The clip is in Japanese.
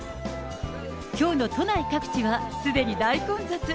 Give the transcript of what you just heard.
きょうの都内各地はすでに大混雑。